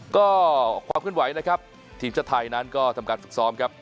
ก็ความเคลื่อนไหวนะครับทีมชาติไทยนั้นก็ทำการฝึกซ้อมครับ